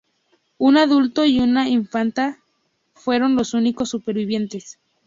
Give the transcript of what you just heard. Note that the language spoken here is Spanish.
Un adulto y una infanta fueron los únicos supervivientes.